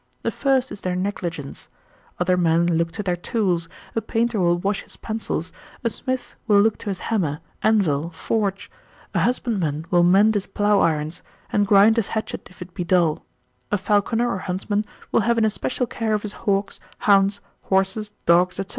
The first is their negligence; other men look to their tools, a painter will wash his pencils, a smith will look to his hammer, anvil, forge; a husbandman will mend his plough irons, and grind his hatchet if it be dull; a falconer or huntsman will have an especial care of his hawks, hounds, horses, dogs, &c.